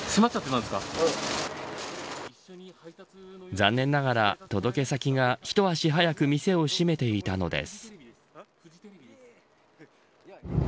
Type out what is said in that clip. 残念ながら、届け先が一足早く店を閉めていたのです。